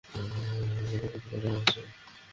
এসব কখন হয়েছে?